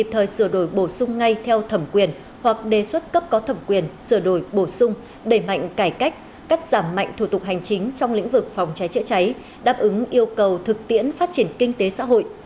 thời sửa đổi bổ sung ngay theo thẩm quyền hoặc đề xuất cấp có thẩm quyền sửa đổi bổ sung đẩy mạnh cải cách cắt giảm mạnh thủ tục hành chính trong lĩnh vực phòng cháy chữa cháy đáp ứng yêu cầu thực tiễn phát triển kinh tế xã hội